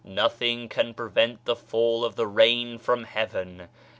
Nothing can prevent the fall of the rain from Heaven.